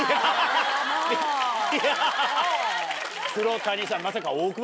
黒谷さんまさか。